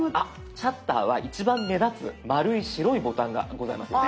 シャッターは一番目立つ丸い白いボタンがございますよね？